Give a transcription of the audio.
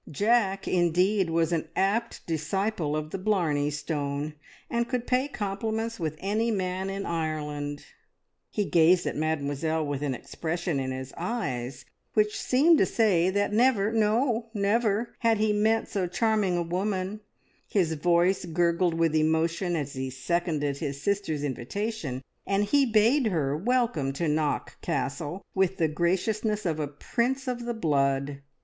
Jack, indeed, was an apt disciple of the Blarney Stone, and could pay compliments with any man in Ireland. He gazed at Mademoiselle with an expression in his eyes which seemed to say that never, no, never, had he met so charming a woman; his voice gurgled with emotion as he seconded his sister's invitation, and he bade her welcome to Knock Castle with the graciousness of a prince of the blood.